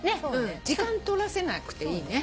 時間取らせなくていいね。